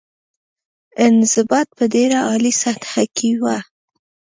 انضباط په ډېره عالي سطح کې وه.